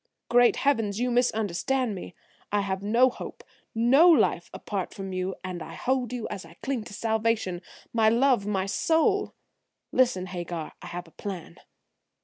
"Great heavens! You misunderstand me. I have no hope, no life, apart from you, and I hold you as I cling to salvation, my love, my soul! Listen, Hagar, I have a plan."